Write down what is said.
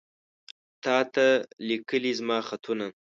تاته ليکلي زما خطونه